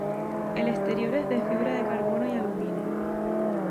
El exterior es de fibra de carbono y aluminio.